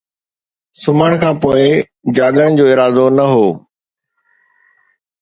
سمهڻ کان پوءِ جاڳڻ جو ارادو نه هو